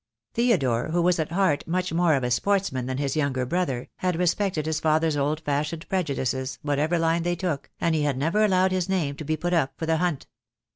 Theodore, who was at heart much more of a sports man than his younger brother, had respected his father's old fashioned prejudices, whatever line they took, and he had never allowed his name to be put up for the Hunt.